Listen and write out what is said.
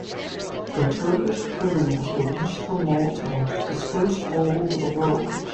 The Turkish criminals released from Malta dispersed all over the world.